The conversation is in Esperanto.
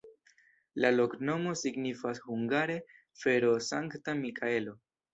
La loknomo signifas hungare: fero-Sankta Mikaelo.